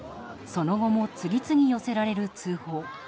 その後も次々寄せられる通報。